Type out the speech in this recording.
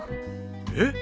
えっ！？